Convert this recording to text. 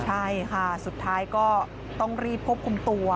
ใช่ค่ะสุดท้ายก็ต้องรีบควบคุมตัว